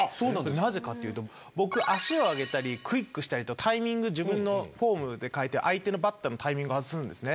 なぜかっていうと僕足を上げたりクイックしたりとタイミング自分のフォームで変えて相手のバッターのタイミング外すんですね。